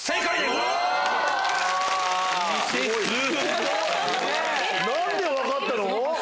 すごい！何で分かったの？